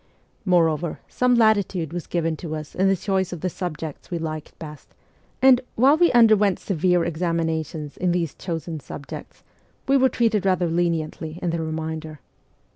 Moreover, some latitude was given to us in the choice of the subjects we liked best, and, while we underwent severe examinations in these chosen subjects, we were treated rather leniently in the remainder.